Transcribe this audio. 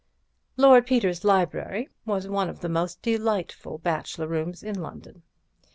Lord Peter's library was one of the most delightful bachelor rooms in London.